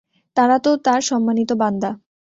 তারা তো তাঁর সম্মানিত বান্দা।